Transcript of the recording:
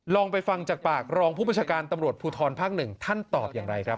ลองไปฟังจากปากรองผู้ประชาการตำรวจภูทรภาค๑ท่านตอบอย่างไรครับ